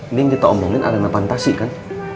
ini yang kita omongin arena fantasi kan